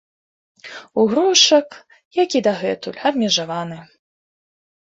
У грошах, як і дагэтуль, абмежаваны.